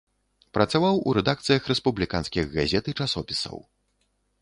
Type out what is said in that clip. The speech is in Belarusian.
Працаваў у рэдакцыях рэспубліканскіх газет і часопісаў.